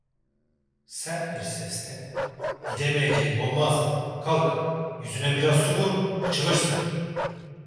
Sert bir sesle: "Gidemeyeceğim olmaz… Kalk, yüzüne biraz su vur, açılırsın!"